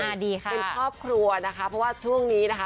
ดีค่ะเป็นครอบครัวนะคะเพราะว่าช่วงนี้นะคะ